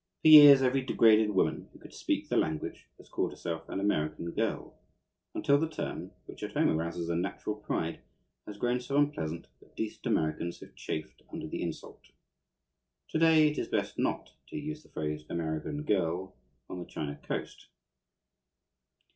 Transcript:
For years every degraded woman who could speak the language has called herself an "American girl"; until the term, which at home arouses a natural pride, has grown so unpleasant that decent Americans have chafed under the insult. To day it is best not to use the phrase "American girl" on the China Coast.